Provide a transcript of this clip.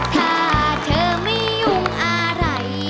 ถ้าเธอไม่ยุ่งอะไร